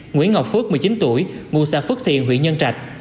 nguyễn ngọc phước một mươi chín tuổi ngu sa phước thiền huyện nhân trạch